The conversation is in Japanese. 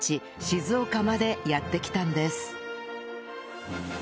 静岡までやって来たんです